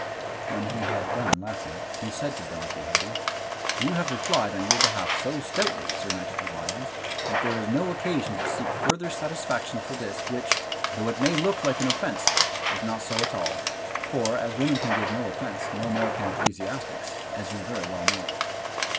When he had done laughing, he said to Don Quixote, "You have replied on your own behalf so stoutly, Sir Knight of the Lions, that there is no occasion to seek further satisfaction for this, which, though it may look like an offence, is not so at all, for, as women can give no offence, no more can ecclesiastics, as you very well know."